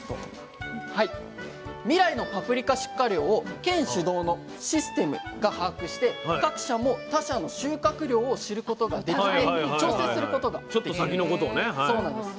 未来のパプリカ出荷量を県主導のシステムが把握して各社も他社の収穫量を知ることができて調整することができるんです。